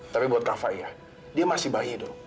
tapi buat kafa ya dia masih bayi dong